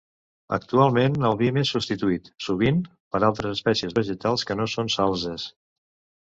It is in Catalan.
Actualment el vim és substituït, sovint, per altres espècies vegetals que no són salzes.